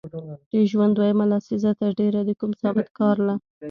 د ژوند دویمه لسیزه تر ډېره د کوم ثابت کار له